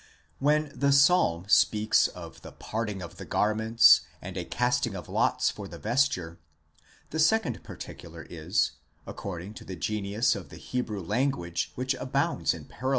When the psalm speaks of the parting of the garments and a casting of lots for the vesture: the second particular is, according to the genius of the Hebrew language which abounds in parallel 81 Tholuck, in loc.